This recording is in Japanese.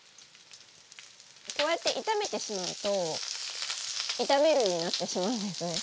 こうやって炒めてしまうと「炒める」になってしまうんですね。